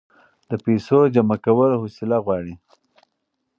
د پیسو جمع کول حوصله غواړي.